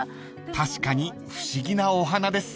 ［確かに不思議なお花です］